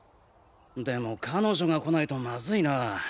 でも彼女が来ないとマズイなぁ。